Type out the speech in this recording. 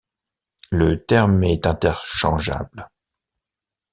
Le terme est interchangeable.